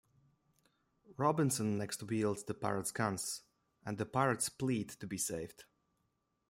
Robinson next wields the pirates' guns and the pirates plead to be saved.